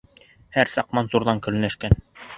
Һәр саҡ Мансурҙан көнләшкән.